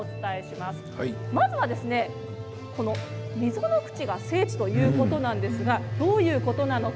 まずは溝の口が聖地ということなんですがどういうことなのか